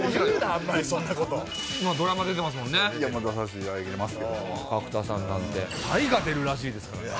出させていただいてますけども角田さんなんて大河出るらしいですからね